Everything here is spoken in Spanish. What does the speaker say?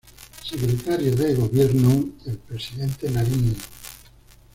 Secretario de Gobierno del presidente Nariño.